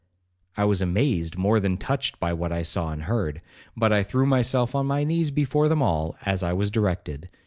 I was amazed more than touched by what I saw and heard, but I threw myself on my knees before them all, as I was directed.